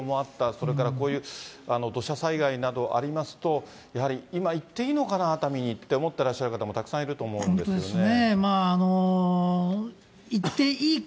それからこういう土砂災害などありますと、やはり今行っていいのかな、熱海にと思ってらっしゃる方もたくさんいると思うんですよね。